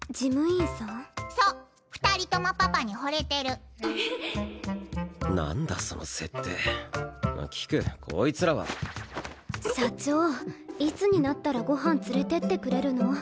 そう二人ともパパにホレてる何だその設定菊こいつらは社長いつになったらご飯連れてってくれるの？